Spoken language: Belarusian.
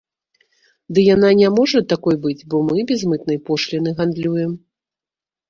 Ды яна не можа такой быць, бо мы без мытнай пошліны гандлюем.